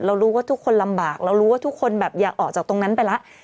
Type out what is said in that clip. เรารู้ว่าทุกคนลำบากเรารู้ว่าทุกคนแบบอยากออกจากตรงนั้นไปแล้ว